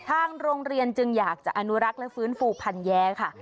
ทางโรงเรียนจึงอยากจะอนุรักษ์และฟื้นฟูพันแย้ค่ะ